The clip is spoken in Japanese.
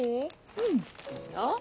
うんいいよ。